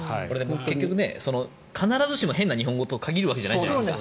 結局、必ずしも変な日本語と限るわけじゃないじゃないですか。